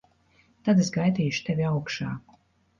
Tad es gaidīšu tevi augšā.